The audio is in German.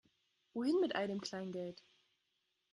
Wohin mit all dem Kleingeld?